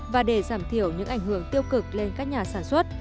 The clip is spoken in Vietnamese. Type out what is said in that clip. và để giảm thiểu những ảnh hưởng tiêu cực lên các nhà sản xuất